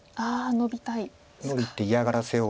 ノビて嫌がらせを。